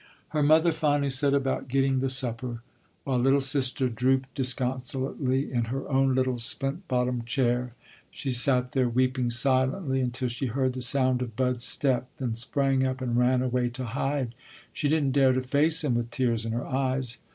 Her mother finally set about getting the supper, while "little sister" drooped disconsolately in her own little splint bottomed chair. She sat there weeping silently until she heard the sound of Bud's step, then sprang up and ran away to hide. She didn't dare to face him with tears in her eyes.